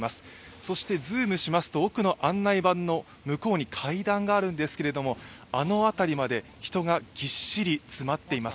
そしてズームしますと奥の案内板の向こうに階段があるんですけれどもあの辺りまで人がぎっしり詰まっています。